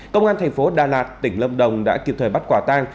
công an thành phố đà lạt tỉnh lâm đồng đã kịp thời bắt quả tang